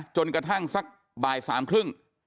จนกระทั่งสักบ่ายสามครึ่ง